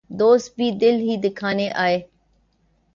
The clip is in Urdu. دوست بھی دل ہی دکھانے آئے